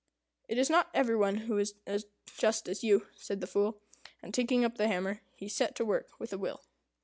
"It is not every one who is as just as you," said the Fool; and taking up the hammer, he set to work with a will.